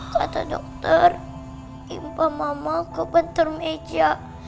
kata dokter impah mama kepentuk meja